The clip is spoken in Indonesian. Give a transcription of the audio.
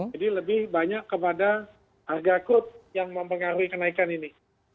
jadi lebih banyak kepada harga akut yang mempengaruhi kenaikan ini